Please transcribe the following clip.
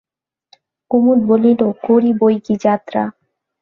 কুমুদ বলিল, করি বৈকি যাত্রা।